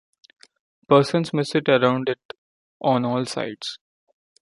Persons may sit around it on all sides.